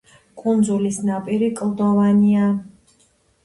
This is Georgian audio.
კუნძულის ნაპირი კლდოვანია.